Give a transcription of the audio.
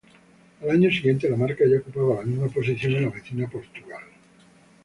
Al año siguiente, la marca ya ocupaba la misma posición en la vecina Portugal.